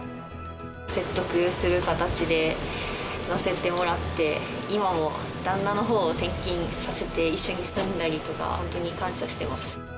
説得する形で乗せてもらって、今も旦那のほうを転勤させて、一緒に住んだりとか、本当に感謝してます。